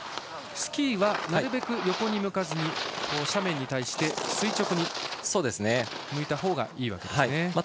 スキーはなるべく横に向かずに斜面に対して垂直に向いたほうがいいわけですね。